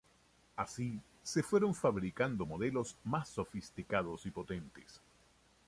Así, se fueron fabricando modelos más sofisticados y potentes.